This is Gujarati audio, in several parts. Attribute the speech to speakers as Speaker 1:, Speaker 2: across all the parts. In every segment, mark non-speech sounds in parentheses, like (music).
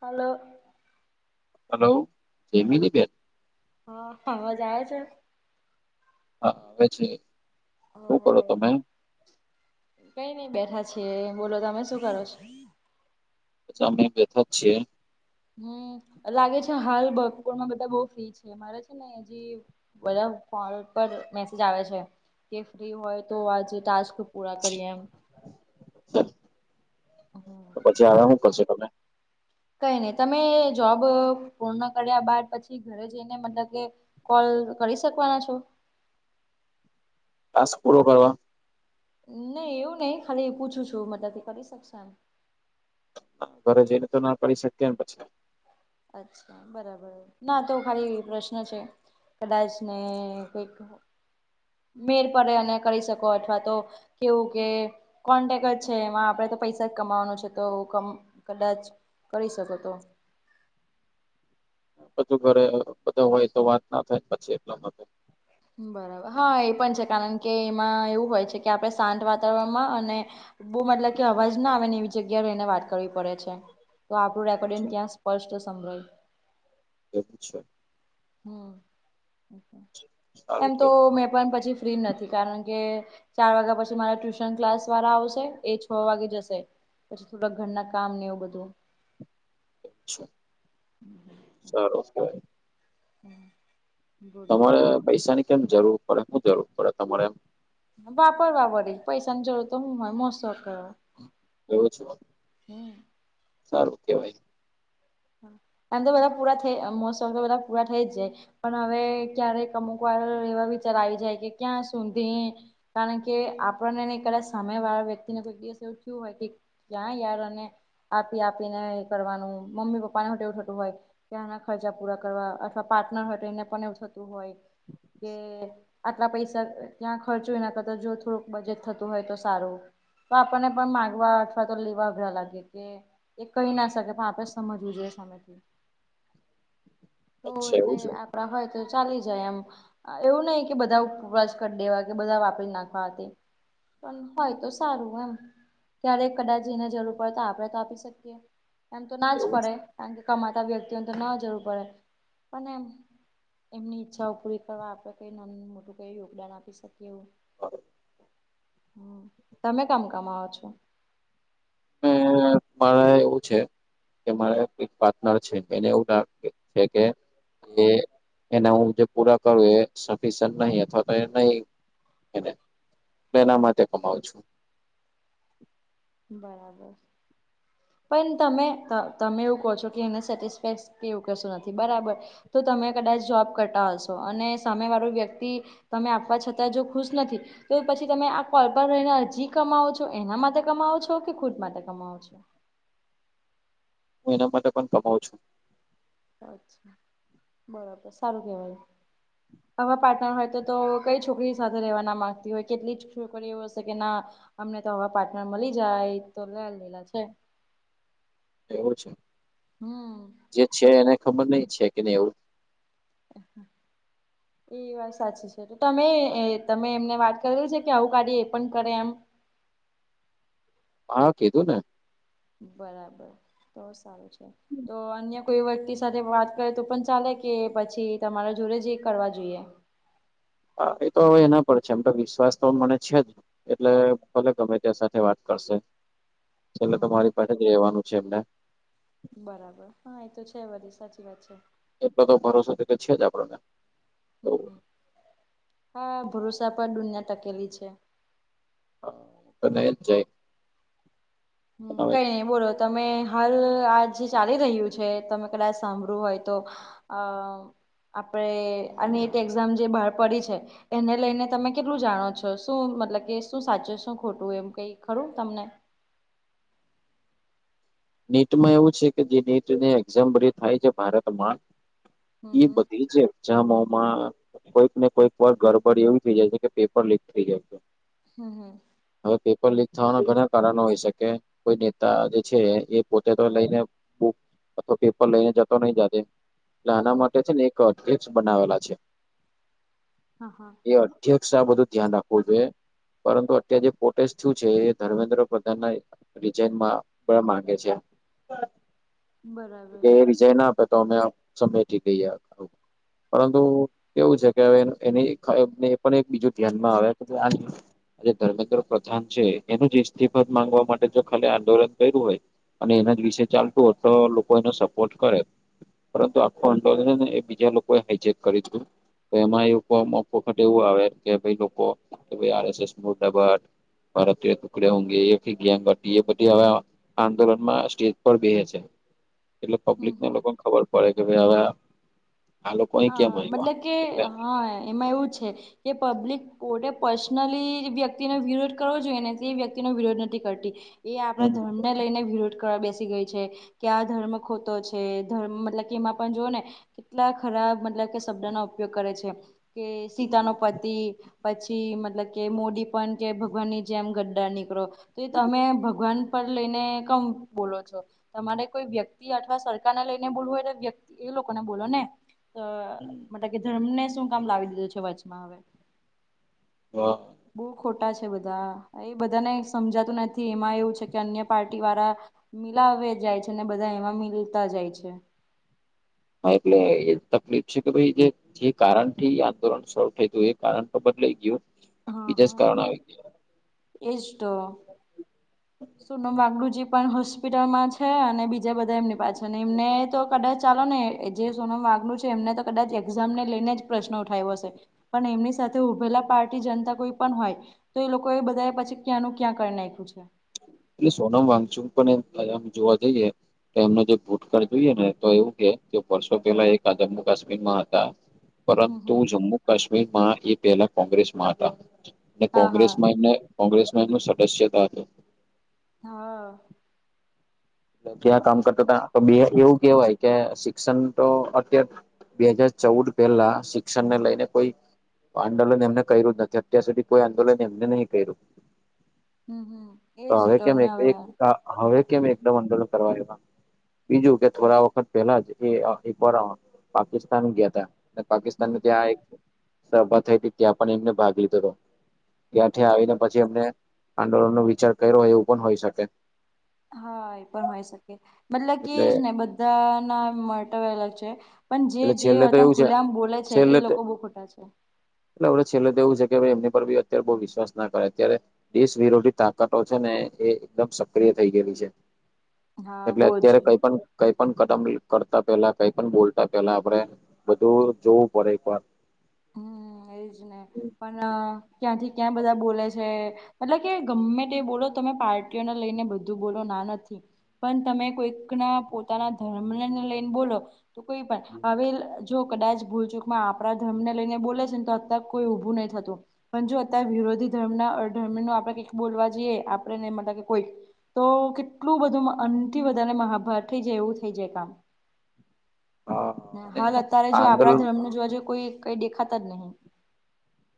Speaker 1: હલો.
Speaker 2: હલો જમીની બેન.
Speaker 1: હા અવાજ આવે છે.
Speaker 2: હા આવે છે.
Speaker 1: અ
Speaker 2: શું કરો તમે
Speaker 1: કઈ નઈ બેઠા છીએ બોલો તમે શું કરો છો?
Speaker 2: અમે બેઠા જ છીએ.
Speaker 1: હમ્મ, લાગે છે હાલ (unintelligible) માં બધા બઉ ફ્રી છે મારે છે ને જે બધા ફોન પર મેસેજ આવે છે કે ફ્રી હોય તો આજે ટાસ્ક પૂરા કરીએ એમ, હમ્મ.
Speaker 2: તો પછી આવ્યા હુ કરશે તમે.
Speaker 1: કઈ નહી તમે જોબ પૂર્ણ કર્યા બાદ પછી ઘરે જઈને મતલબ કે- - કોલ કરી શકવાના છો.
Speaker 2: ટાસ્ક પૂરો કરવા?
Speaker 1: નહી એવું નઈ ખાલી પૂછું છું મતલબ કે કરી શકશો એમ.
Speaker 2: (inaudible) ઘરે જઈને તો ના કરી શકીએન પછી.
Speaker 1: અચ્છા બરાબર, ના આતો ખાલી પ્રશ્ન છે. કદાચ ને કોઈક મેર પડે અને કરી શકો અથવા તો કેવું કે કોન્ટેક છે એમાં આપડે તો પૈસા જ કમાવાનું છે તો કમ-કદાચ કરી શકો તો
Speaker 2: બધું ઘરે બધા હોય તો વાત ના થાય પછી એટલા માટે.
Speaker 1: બરાબર હા એ પણ છે કારણ કે એમાં એવું હોય છે કે આપણે શાંત વાતાવરણમાં અને બહુ મતલબ કે અવાજ ના આવે ને એવી જગ્યા રહીને વાત કરવી પડે છે. તો આપડુ
Speaker 2: એવું છે
Speaker 1: રેકોર્ડિંગ ત્યાં સ્પષ્ટ સંભારાય.
Speaker 2: એવુ છે.
Speaker 1: હમ્મ,
Speaker 2: સારું
Speaker 1: એમ તો
Speaker 2: કેવાય
Speaker 1: મેં પણ પછી ફ્રી નથી કારણ કે ચાર વાગા પછી મારા ટ્યુશન ક્લાસ વાળા આવશે એ છ વાગે જશે. પછી થોડા ઘરના કામ ને એવું બધું.
Speaker 2: સારું કેવાય.
Speaker 1: હમ્મ.
Speaker 2: તમારે પૈસાની કેમ જરૂર પડે, હુ જરૂર પડે તમારે એમ?
Speaker 1: વાપર વપરી પૈસાની જરૂર તો હુ હોય મોજ-શોખ કરવા.
Speaker 2: એવું છે સારું કેવાય.
Speaker 1: આમ તો બધા પૂરા થઈ મોજ-શોખ તો બધા પૂરા થઈ જ જાય. પણ હવે ક્યારેક અમુક વાર એવા વિચાર આવી જાય કે ક્યાં સુધી કારણ કે આપણનેને કદાચ સમય વાળા વ્યક્તિને કોઈ દિવસ એવું થયું હોય કે ક્યાં યાર અને આપી આપીને કરવાનું, મમ્મી પપ્ પાને એવું તેવું થતું હોય કે આના ખર્ચા પૂરા કરવા અથવા પાર્ટનર હોય તો એને પણ એવું થતું હોય કે આટલા પૈસા ત્યાં ખર્ચો એના કરતા જો થોડુંક બજેટ થતું હોય તો સારું. તો આપણને પણ માગવા અથવા તો લેવા અઘરા લાગે કે એ કહી ના શકે પણ આપડે સમ સમયથી તો
Speaker 2: અચ્છા એવું છે
Speaker 1: એટલે- - આપણા હોય તો ચાલી જાય એમ. એવું નહિ કે બધાસ કરી દેવા કે બધા વાપરી નાખવા. તે પણ હોય તો સારું એમ. ક્યારે કદાચને જરૂર પડે તો આપણે તો આપી શકીએ. એમ તો ના જ
Speaker 2: એવું છે
Speaker 1: પડે,. કારણ કે કમાતા વ્યક્તિઓને તો ના જરૂર પડે પણ એમ. એમની ઈચ્છાઓ પૂરી કરવા આપણે કઈ નાનું, મોટું કઈ યોગદાન આપી શકીએ એવું.
Speaker 2: હા.
Speaker 1: હ, તમે કામ કમાવ છો?
Speaker 2: મારા એવું છે. કે મારે એક પાર્ટનર છે, એને એવું છે કે કે એના હું જે પૂરા કરું. એ સફિસય નહી અથવા તો એ નહી. એના માટે કમાવ છું.
Speaker 1: બરાબર. પણ તમે તમે એવું કહો છો કે એને સેટિસ્ફેક્ કેવું કશું નથી બરાબર. તો તમે કદાચ જોબ કરતા હશો અને સામે વાળું વ્યક્તિ તમે આપવા છતાં જો ખુશ નથી, તો પછી તમે આ કોલ પર રહીને, અરજી કમાવો છો. એના માટે કમાવો છો કે ખુદ માટે કમાવો છો.
Speaker 2: હું એના માટે પણ કમાવું છું.
Speaker 1: બરાબર. સારું કેવાય.
Speaker 2: હમ.
Speaker 1: આવા પાર્ટનર હોય, તો તો કઈ છોકરી સાથે રહેેવાના મામાંગતી હોય. કેટલી છોકરીઓ હશે કે ના અમને તો હવા પાર્ટનર મળી જાય, તો લે લેલા છે.
Speaker 2: એવું છે.
Speaker 1: હમ
Speaker 2: જે છે એને, ખબર નહ છે કે નહી એવું. (inaudible)
Speaker 1: એ વાત સાચી છે. તો તમે તમે એમને વાત કર છે કે આવું ગાડી એ પણ કરે એમ.
Speaker 2: હા, કીધુંને.
Speaker 1: બરાબર. તો સારું છે. તો અન્ય કોઈ વ્યક્તિ સાથે વાત કરે તો પણ ચાલે કે પછી તમારા જોડ જ એ કરવા જોઈએ.
Speaker 2: હા, એ તો હવે, એના પર છે એમ તો વિશ્વાસ તો મને છે જ. એટલે ભલે ગમે ત્યાં સાથે વાત કરશે. છેલ્
Speaker 1: હમ હમ
Speaker 2: તમારી પાસે રેહવાનું છે એમને.
Speaker 1: બરાબર. હા, એ તો છે બધી સાચી વાત છે.
Speaker 2: એટલો તો ભરોસો છે જ આપડો ને.
Speaker 1: હ હા, ભરૂસાા પર દુનિયા ટકેલી છે.
Speaker 2: પટાય જ જાય.
Speaker 1: હમ. કઈની બોલો? તમે હાલ આ જે ચાલી રહ્યું છે. તમે કદાચ સાંભળ્યું હોય તો અ આપડે આનીટ એક્ઝામ જે બહાર પડી છે. એને લઈને, તમે કેટલું જાણો છો શું? મતલબ કે શું સાચું શું ખોટું એમ કઈ ખરું તમને
Speaker 2: નીટમાં એવું છે કે જે નીટ ની એક્ઝમ્પ થાય છે. ભારતમાં
Speaker 1: હમ
Speaker 2: એ
Speaker 1: હમ
Speaker 2: બધી છે. મમાં કોઈક ને કોઈક વાર ગડબડ એવી થઈ જાય છે કે પેપર લીક થઈ જાય છે.
Speaker 1: હા.
Speaker 2: હવે, પેપર લીક થવાના ઘણા કારણો હોય શકે. કોઈ નેતા જે છે. એ પોતે તો લઈને, બુક અથવા પેપર લઈને જતો નઈ જાતે એટલે આના
Speaker 1: હમ
Speaker 2: માટે છે ને, એક પ્સ (unintelligible) બનાવેલા છે.
Speaker 1: હા હા.
Speaker 2: એ અધ્યક્ષ આ બધું ધ્યાન રાખવું જોઈએ. પરંતુ અત્યારે જે પોટેસ થયું છે એ ધર્મેન્દ્ર પ્રધાનના રિજઇનમાં માં છે એ
Speaker 1: બરાબર
Speaker 2: જે ના આપે તો અમે સમટી લઈએ પરંતુ કેવું છે એની એ પણ એક બીજું ધ્યાનમાં આવે આજે ધર્મેન્દ્ર પ્રધાન છે એનું જ ઇસ્તીફાદ માંગવા માટે જો ખાલી આંદોલન કર્યું હોય અને એના જ વિશે ચાલતું તો લોકો એને સપોર્ટ કરે. પરંતુ આખું અંદોલન છે ને એ બીજા લોકોએ હાઈજેક કર્યું તું તો એમાં એવ મોકો અમુક વખત એવું આવે કે ભાઈ લોકો કે આરએસએસ મુર્દાબાદ ભારતીય ટુકડે ઊઘે એ ગેંગ હતી એ બધી હવે આંદોલનમાં સ્ટેજ પર બેહે છે એટલે
Speaker 1: હમ
Speaker 2: પબ્લિકને
Speaker 1: હમ
Speaker 2: લોકોને ખબર પડે કે ભાઈ હવે આ લોકો અહીં કેમ
Speaker 1: હા
Speaker 2: આવ્યા
Speaker 1: મતલબ કે
Speaker 2: એટલે
Speaker 1: હા એમાં એવું છે. કે પબ્લિક પોતે પર્સનલી વ્યક્તિનો વિરોધ કરવો જોઈએ ને તે વ્યક્તિનો વિરોધ નથી કરતી એ આપણા
Speaker 2: હમ
Speaker 1: ધર્મને લઈને વિરોધ કરવા બેસી ગઈ છે. કે આ ધર્મ ખોટો છે ધર્મ મતલબ કે એમાં પણ જોઓ ને કેટલાક ખરાબ મતલબ કે શબ્દનો ઉપયોગ કરે છે કે સીતાનો પતિ પછી મતલબ કે મોદી પણ કે ભગવાનની જેમ ગદ્દાર નીકળ્યો. તો તમે ભગવાન પર લઈને કમ બોલો છો. તમારે કોઈ વ્યક્તિ અથવા સરકારને લઈને બોલવું હોય તો વ્યક્તિ એ લોકોને બોલો ને તો
Speaker 2: હમ.
Speaker 1: કે ધર્મને શું કામ લાવી દીધું છે વચમાં હવે.
Speaker 2: હા.
Speaker 1: બહુ ખોટા છે બધા. એ બધાને સમજાતું નથી એમાં એવું છે કે અન્ય પાર્ટીવાળા મિલાવે જાય છે અને બધા એમાં મિલતા જાય છે.
Speaker 2: હા એટલે એ તકલીફ છે કે ભાઈ જે જે કારણથી આંદોલન શરૂ થઈ ગયું એ કારણ તો બદલાઈ ગયું
Speaker 1: હા
Speaker 2: બીજા જ
Speaker 1: હા
Speaker 2: કારણ આવી ગયા.
Speaker 1: એજ તો. સોનમ વાગડુજી પણ હોસ્પિટલમાં છે અને બીજા બધા એમની પાછળ ને એમને તો કદાચ ચાલો ને જે સોનમ વાગનું છે એમને તો કદાચ એક્ઝામ ને લઈને જ પ્રશ્ન ઉઠાવ્યો હશે. પણ એમની સાથે ઉભેલા પાર્ટી જનતા કોઈ પણ હોય તો એ લોકો એ બધા પછી ક્યાંનું ક્યાં કરી નાખ્યું છે.
Speaker 2: એટલે સોનમ વાગચું પણ એમ આમ જોવા જઈએ તો એમને જે ભૂતકાળ જોઈએ ને તો એવું કે વર્ષો પેલા એક જમ્મુ કાશ્મીરમાં હતા.
Speaker 1: હમ
Speaker 2: પરંતુ
Speaker 1: હમ
Speaker 2: જમ્મુ કાશ્મીરમાં એ પેલા કોંગ્રેસમાં હતા અને
Speaker 1: હા હા
Speaker 2: કોંગ્રેસમાં એમને કોંગ્રેસમાં એનું સદસ્યતા હતું.
Speaker 1: હા.
Speaker 2: ક્યાં કામ
Speaker 1: મતલબ કે
Speaker 2: કરતા હતા બે એવું કેહેવાય કે શિક્ષણ તો અત્યાર બે હજાર ચૌદ પેલા શિક્ષણને લઈને કોઈ આંદોલન એમને કર્યું જ નથી અત્યાર સુધી કોઈ આંદોલન એમને નહીં કર્યું.
Speaker 1: હમ હમ એજ તો ને હવે.
Speaker 2: તો આંદોલન કરવા આવ્યા બીજું કે થોડા વખત પેલા જ એ એકવાર પાકિસ્તાન ગ્યા તા. ને
Speaker 1: હમ
Speaker 2: પાકિસ્તાનને
Speaker 1: હમ.
Speaker 2: ત્યાં એક સભા થઈ તી ત્યાં પણ એમને ભાગ લીધેલો. ત્યાંથી આવીને પછી એમને આંદોલન નો વિચાર કઈરો હોય એવું પણ હોઈ શકે.
Speaker 1: હા, એ પણ હોય શકે. મતલબ કે
Speaker 2: એટલે
Speaker 1: એ જ ને બધા ના (unintelligible) અલગ છે. પણ જે
Speaker 2: એટલે
Speaker 1: જે
Speaker 2: છેલ્લે તો
Speaker 1: (unintelligible)
Speaker 2: એવું છે
Speaker 1: ખુલેઆમ બોલે છે એ
Speaker 2: છેલ્લે
Speaker 1: લોકો બહુ ખોટા છે.
Speaker 2: એટલે હવે છેલ્લે તો એવું છે કે ભઈ એમની પર બી અત્યારે બહુ વિશ્વાસ ના કરાય. અત્યારે દેશ વિરોધી તાકાતો છે ને એ એકદમ સક્રિય થઈ ગયેલી છે.
Speaker 1: હા
Speaker 2: એટલે
Speaker 1: બહુ જ
Speaker 2: અત્યારે કંઈ પણ કંઈ પણ કદમ લ કરતા પહેલા કંઈ પણ બોલ તા પહેલા આપણેે બધું જોવું પડે એક વાર.
Speaker 1: હમ્મ એજ ને. પણ ક્યાંથી ક્યાં બધા બોલે છે. એટલે કે ગમે તે બોલો તમે પાર્ટીઓને લઈને બધું બોલો ના નથી. પન તમે કોઈકના પોતાના ધર્મને લઈને બોલો તો કોઈ પન, હવેલ જો કદાચ ભૂલચૂકમાં આપણા જ ધર્મને લઈને બોલે છેન તો અત્યારે કોઈ ઊભું નહીં થતું. પણ જો અત્યારે વિરોધી ધર્મના અધર્મનો આપણે કંઈક બોલવા જોઈએ, આપણે ને મતલબ કોઈ તો કેટલું બધું આનથી વધારે મહાભારત થઈ જાય એવું થઈ જાય કામ.
Speaker 2: (inaudible) આ
Speaker 1: ને હાલ અત્યારે જો આપણા
Speaker 2: આંદોલન
Speaker 1: ધર્મનુ જોવા જોઈ કોઈ કંઈ દેખાતા જ નહીં.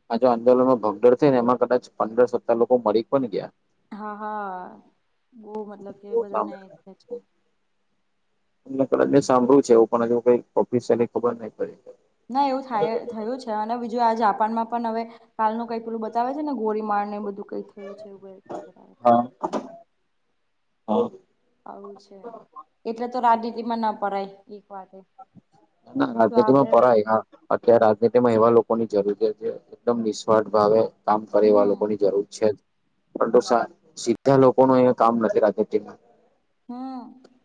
Speaker 2: આ જો આંદોલનમાં ભગદોડ થઈ ને એમાં કદાચ પંદર સત્તર લોકો મરી પણ ગિયા.
Speaker 1: હા, હા. બહું મતલબ કે એ બધાને
Speaker 2: કદાચ
Speaker 1: (unintelligible) છે.
Speaker 2: એમને કદાચ મે સાંભળ્યું છે એવું પણ, હજુ કઈ ઓફિશ્યલી ખબર નહી પડી કાંઈ.
Speaker 1: ના એવું થાય, થયું છ છે. અને બીજું આ જાપાનમાં પણ હવે કાલનું કંઈક પેલું બતાવે છે ને ગોળી માર ને એવું બધું કઈક. થયું છે એવું (unintelligible)
Speaker 2: હા હા
Speaker 1: આવું છે. એટલે તો રાજનીતિમાં ના પડાય એક વાતે.
Speaker 2: ના
Speaker 1: તો
Speaker 2: રાજનીતિમાં
Speaker 1: આપડે
Speaker 2: પડાય. હા. અત્યારે રાજનીતિમાં એવા લોકોની જરૂરિયાત હે એકદમ નિઃસ્વાર્થ ભાવે કામ કરે એવા
Speaker 1: હમ
Speaker 2: લોકોની જરૂર છે જ. પરંતુ સા સીધા લોકો નો એવો કામ નથી રાજનિતીમાં.
Speaker 1: હમ્મ.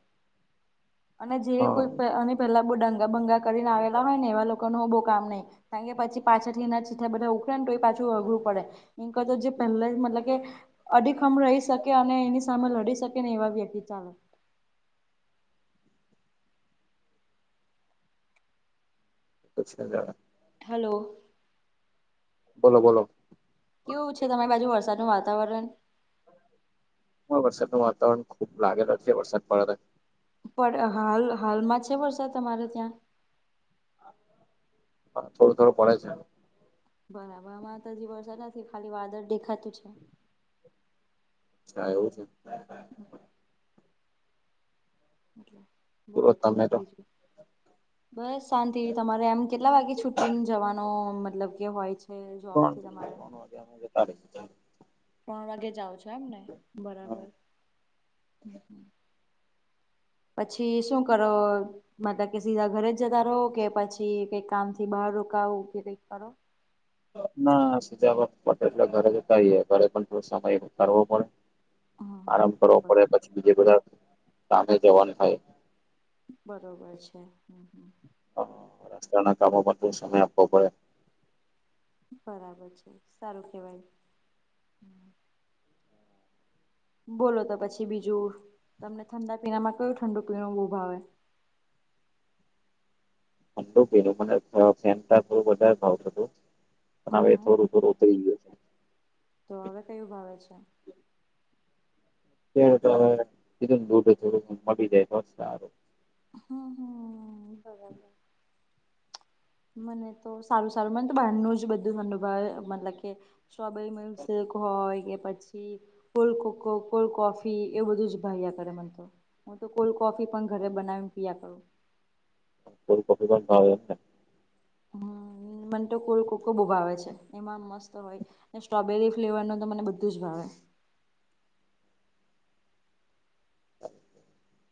Speaker 1: અને જે કોઈ પ આની પહેલા બહુ ડંગા બંગા કરીને આવેલા હોયને એવા લોકોનું હવે બહુ કામ નહીં. કારણ કે પછી પાછળથી એના ચીથડા બધા ઉખડે ને તોય પાછું અઘરું પડે. એન કરતા જે પહેલા જ મતલબ કે અડીખમ રહી શકે, અને એની સામે લડી શકે ને એવા વ્યક્તિ ચાલે.
Speaker 2: (unintelligible)
Speaker 1: હેલો.
Speaker 2: બોલો-બોલો.
Speaker 1: કેવું છે તમારી બાજુ વરસાદ નું વાતાવરણ?
Speaker 2: અમારે વરસાદનું વાતાવરણ ખુબ લાગેલો છે વરસાદ (unintelligible)
Speaker 1: પણ હાલ-હાલમાં છે વરસાદ તમારે ત્યાં?
Speaker 2: હા થોડો-થોડો પડે છે એમ.
Speaker 1: બરાબર. અમારે તો હજી વરસાદ નથી, ખાલી વાદળ દેખાતું છે.
Speaker 2: અચ્છા એવું છે.
Speaker 1: હમ્મ.
Speaker 2: પૂરો
Speaker 1: બોલો. તો
Speaker 2: તમે
Speaker 1: પછી બીજું. બસ શાંતિ. તમારે એમ કેટલા વાગે છુટીન જવાનો મતલબ કે હોય છ?
Speaker 2: (inaudible)
Speaker 1: ત્રણ વાગે જાઓ છો એમને બરાબર.
Speaker 2: (inaudible)
Speaker 1: પછી શું કરો મતલબ કે સીધા ઘરેજ જતા રહો કે પછી કઈક કામથી બહાર રોકાવું કે કઈ કરો?
Speaker 2: ના સીધા વર્ક પતે એટલે ઘરે જતા જઈએ ઘરે પણ થોડો સમય નીકળવો પડે.
Speaker 1: હા
Speaker 2: આરામ કરવો
Speaker 1: હા
Speaker 2: પડે પછી બીજે બધાં કામે જવાનું થાય.
Speaker 1: બરોબર છે.
Speaker 2: હમ રસ્તાના કામોમાં પણ સમય આપવો પડે.
Speaker 1: બરાબર છે સારું કેવાય. બોલો તો પછી બીજું તમને ઠંડા પીણામાં કયું ઠંડુ પીણું બોવ ભાવે?
Speaker 2: ઠંડુ પીણું મને ફેનતા બોવ વધારે ભાવતું તું. પણ
Speaker 1: હમ
Speaker 2: હવે
Speaker 1: હમ
Speaker 2: થોડું થોડું થઈ ગયું છે.
Speaker 1: તો હવે કયું ભાવે છે?
Speaker 2: તે કીધુંને દૂઢ થોડું મળી જાય તો સારું.
Speaker 1: હમ હમ બરાબર.
Speaker 2: (inaudible)
Speaker 1: મને તો સારું સારું મને તો બારનું જ બધું ભાવે મતલબ કે સ્ટોબેરી મિલસેક હોય કે પછી કોલ્ડ કોકો કોલ્ડ કોફી એ બધું જ ભાઈયા કરે મનતો હું તો કોલ્ડ કોફી પણ ઘરે બ કિયા કરું.
Speaker 2: કોલ્ડ કોફી ભાવે એમને.
Speaker 1: હમ મન તો કોલ્ડ કોકો બોવ ભાવે છે. એમાં મસ્ત હોય ને સ્ટ્રોબેરી ફ્લેવરનું તો મને બધું જ ભાવે.
Speaker 2: (inaudible)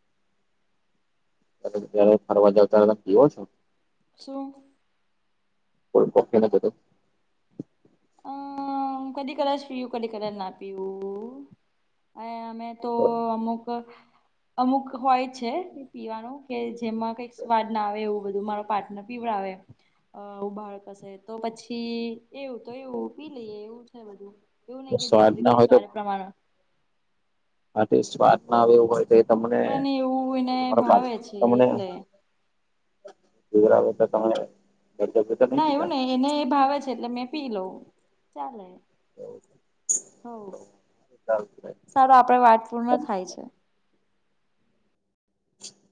Speaker 2: તો જ્યારે ફરવા જાવ ત્યારે તમે પીવો છો?
Speaker 1: શું?
Speaker 2: કોલ્ડ કોફી ને બધું.
Speaker 1: હમ કદી કદાચ પીવું કદી કદાચ ના પીવું અમે તો અમુક અમુક હોય છે પીવાનું કે જેમાં કઈક સ્વાદ ના આવે એવું બધું મારો પાર્ટનર પીવડાવે બહાર કસે તો પછી એવું તો એવું પી લઈએ એવું છે એવું
Speaker 2: તો
Speaker 1: નહી કે
Speaker 2: સ્વાદ
Speaker 1: જરૂરી
Speaker 2: ના
Speaker 1: કોઈ
Speaker 2: હોય તો
Speaker 1: સ્વાદ પ્રમાણ
Speaker 2: હા તે સ્વાદમાં એવું હોય. તો એ તમને
Speaker 1: પણ એવું એને
Speaker 2: તમારા પા
Speaker 1: ભાવે છે
Speaker 2: તમને
Speaker 1: એટલે
Speaker 2: પીવડાવે તમને બધેથી
Speaker 1: ના એવું નય એને એ ભાવે છે એટલે મેં પી લઉં ચાલે.
Speaker 2: (inaudible)
Speaker 1: હોવ.
Speaker 2: એ ચાલ
Speaker 1: સારું આપડે વાત પૂર્ણ થાય છે.
Speaker 2: (inaudible)